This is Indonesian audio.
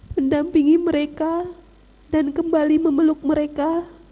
mendampingi mereka dan kembali memeluk mereka